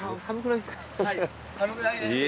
寒くないですか？